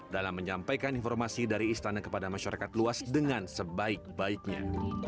dalam menyampaikan informasi dari istana kepada masyarakat luas dengan sebaik baiknya